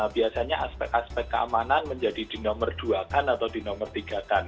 biasanya aspek aspek keamanan menjadi di nomor dua kan atau di nomor tiga kan